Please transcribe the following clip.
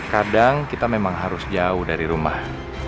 kadang kita memang harus jauh dari rumah